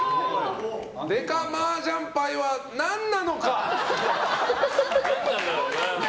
デカマージャン牌は何なのか。